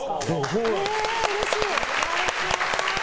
うれしい！